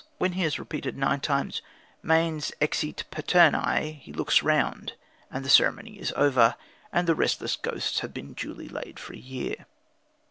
When he has repeated nine times "Manes exite paterni," he looks round, and the ceremony is over, and the restless ghosts have been duly laid for a year.